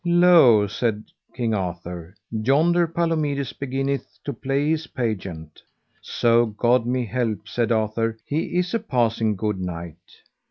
Lo, said King Arthur, yonder Palomides beginneth to play his pageant. So God me help, said Arthur, he is a passing good knight.